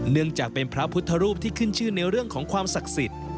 เนื่องจากเป็นพระพุทธรูปที่ขึ้นชื่อในเรื่องของความศักดิ์สิทธิ์